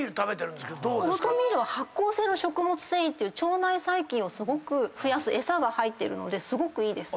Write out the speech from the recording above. オートミールは発酵性の食物繊維っていう腸内細菌を増やす餌が入ってるのですごくいいです。